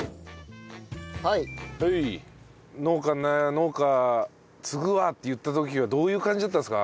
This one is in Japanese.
農家継ぐわって言った時はどういう感じだったんですか？